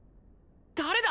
誰だ！